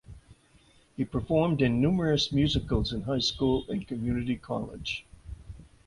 He performed in numerous musicals in high school and community college.